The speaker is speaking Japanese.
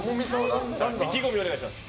意気込みをお願いします。